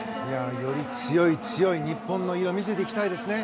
より強い強い日本の色を見せていきたいですね。